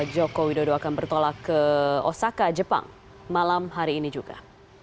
jokowi dan maruf amin akan bertolak ke osaka jepang malam hari ini juga